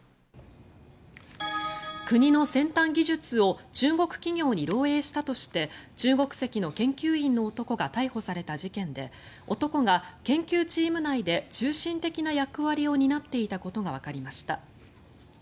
国の先端技術を中国企業に漏えいしたとして中国籍の研究員の男が逮捕された事件で男が研究チーム内で中心的な役割を担っていたことがわかりました。